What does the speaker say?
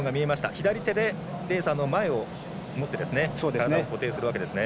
左手でレーサーの前を持って体を固定するわけですね。